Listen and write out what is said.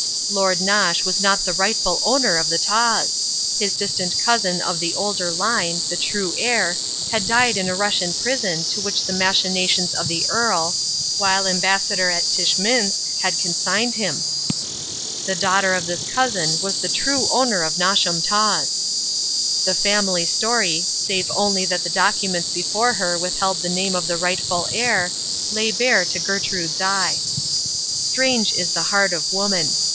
Lord Nosh was not the rightful owner of the Taws. His distant cousin of the older line, the true heir, had died in a Russian prison to which the machinations of the Earl, while Ambassador at Tschminsk, had consigned him. The daughter of this cousin was the true owner of Nosham Taws. The family story, save only that the documents before her withheld the name of the rightful heir, lay bare to Gertrude's eye. Strange is the heart of woman.